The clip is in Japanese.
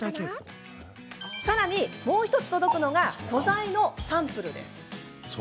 さらに、もう１つ届くのが素材のサンプル。